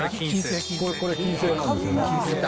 これ、金星なんですよ。